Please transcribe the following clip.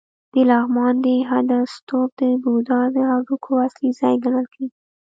د لغمان د هده ستوپ د بودا د هډوکو اصلي ځای ګڼل کېږي